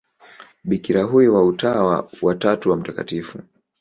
Bikira huyo wa Utawa wa Tatu wa Mt.